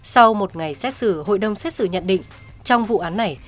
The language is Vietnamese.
sau một ngày xét xử hội đồng xét xử nhận định trong vụ án này